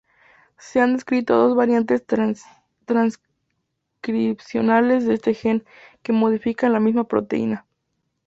Se han descrito dos variantes transcripcionales de este gen, que codifican la misma proteína.